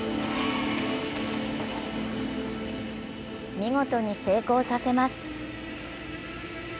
見事に成功させます。